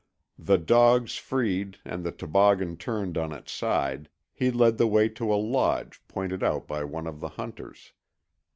The dogs freed and the toboggan turned on its side, he led the way to a lodge pointed out by one of the hunters.